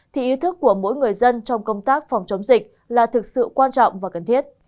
thì ý thức của mỗi người dân trong công tác phòng chống dịch là thực sự quan trọng và cần thiết